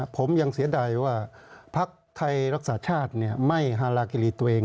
ผมยังเสียดายว่าพักไทยรักษาชาติไม่ฮารากิรีตัวเอง